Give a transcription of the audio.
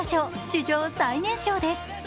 史上最年少です。